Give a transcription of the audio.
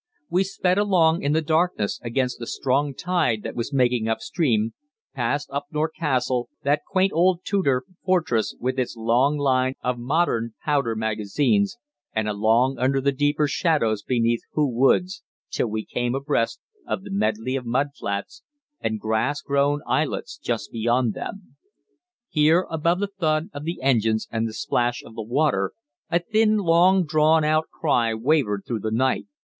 We sped along in the darkness against a strong tide that was making upstream, past Upnor Castle, that quaint old Tudor fortress with its long line of modern powder magazines, and along under the deeper shadows beneath Hoo Woods till we came abreast of the medley of mud flats and grass grown islets just beyond them. Here above the thud of the engines and the plash of the water, a thin, long drawn out cry wavered through the night.